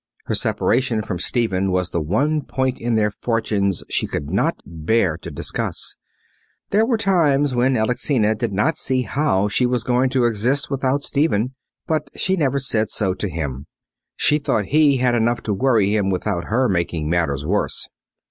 Her separation from Stephen was the one point in their fortunes she could not bear to discuss. There were times when Alexina did not see how she was going to exist without Stephen. But she never said so to him. She thought he had enough to worry him without her making matters worse.